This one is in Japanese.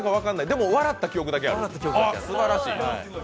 でも笑った記憶だけある、すばらしい。